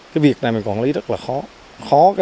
cái việc này mình quản lý rất là khó